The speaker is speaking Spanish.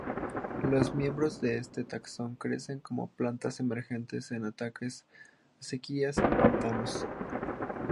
Los miembros de este taxón crecen como plantas emergentes en estanques, acequias, y pantanos.